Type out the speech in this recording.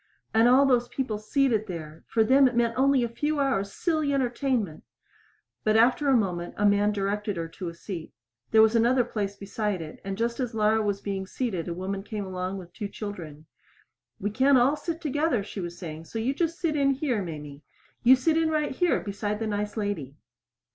And all those people seated there for them it meant only a few hours' silly entertainment! But after a moment a man directed her to a seat. There was another place beside it, and just as Laura was being seated a woman came along with two children. "We can't all sit together," she was saying, "so you just sit in here, Mamie. You sit right in here beside the nice lady."